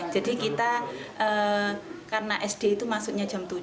jadi kita karena sd itu masuknya jam tujuh